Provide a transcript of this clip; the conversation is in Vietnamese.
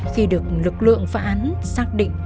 khi được lực lượng phá án xác định